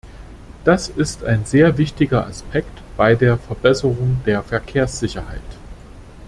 Das ist ein sehr wichtiger Aspekt bei der Verbesserung der Verkehrssicherheit.